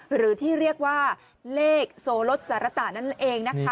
หรือที่เรียกว่าเลขโซลสสารตะนั่นเองนะคะ